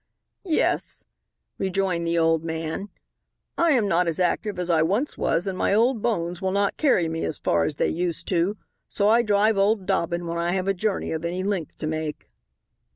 "Yes," rejoined the old man. "I am not as active as I was once and my old bones will not carry me as far as they used to. So I drive old Dobbin when I have a journey of any length to make."